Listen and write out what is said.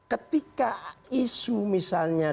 ketika isu misalnya